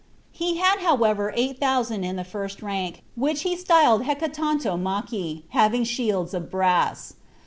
He had however eight thousand in the first rank, which he styled Hecatontomachi, having shields of brass.